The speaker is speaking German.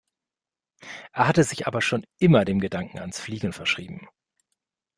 Er hatte sich aber schon immer dem Gedanken ans Fliegen verschrieben.